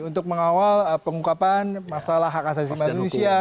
untuk mengawal pengungkapan masalah hak asasi manusia